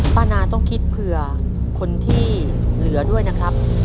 ป้านาต้องคิดเผื่อคนที่เหลือด้วยนะครับ